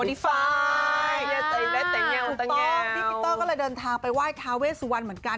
พี่ปีเตอร์ก็เลยเดินทางไปไหว้ทาเวสัวร์เหมือนกัน